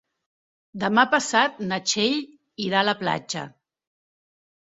Demà passat na Txell irà a la platja.